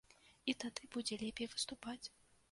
І тады будзе лепей выступаць.